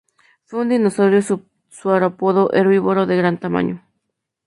Fue un dinosaurio saurópodo herbívoro de gran tamaño.